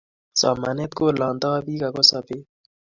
Somanet kolangtoi bich ako sobet